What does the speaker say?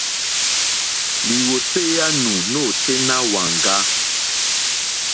Lìwòtéyá nù nôténá wàŋgá.